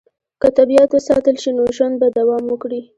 که طبیعت وساتل شي، نو ژوند به دوام وکړي.